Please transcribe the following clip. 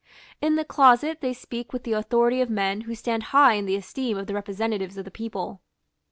In the closet they speak with the authority of men who stand high in the estimation of the representatives of the people.